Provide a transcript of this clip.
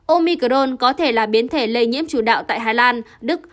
omicrone có thể là biến thể lây nhiễm chủ đạo tại hà lan đức